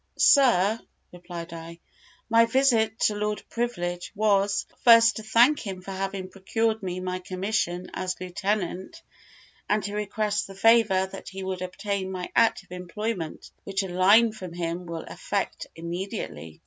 "Sir," replied I, "my visit to Lord Privilege was, first to thank him for having procured me my commission as lieutenant, and to request the favour that he would obtain me active employment, which a line from him will effect immediately."